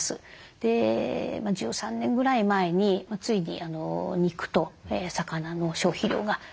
で１３年ぐらい前についに肉と魚の消費量が逆転いたしました。